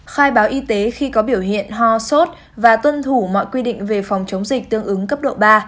khai báo y tế khi có biểu hiện ho sốt và tuân thủ mọi quy định về phòng chống dịch tương ứng cấp độ ba